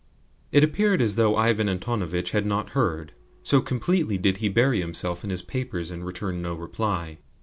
It appeared as though Ivan Antonovitch had not heard, so completely did he bury himself in his papers and return no reply.